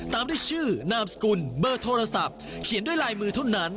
ตามด้วยชื่อนามสกุลเบอร์โทรศัพท์เขียนด้วยลายมือเท่านั้น